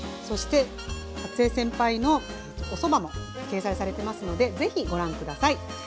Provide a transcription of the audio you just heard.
そして初江先輩のおそばも掲載されてますのでぜひご覧下さい。